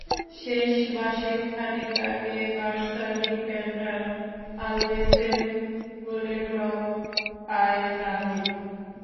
শেষ বাঁশির খানিক আগে বার্সা ডিফেন্ডার আলভেসের গোলে ড্র পায় ব্রাজিল।